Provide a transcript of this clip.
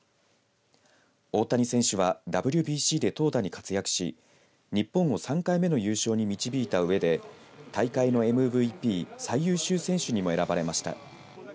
大谷選手はＷＢＣで投打に活躍し日本を３回目の優勝に導いたうえで大会のＭＶＰ、最優秀選手にも選ばれました。